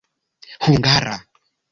hungara